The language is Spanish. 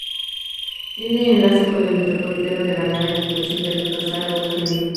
Tiene enlace con el Metropolitano de Granada en la estación de Alcázar Genil.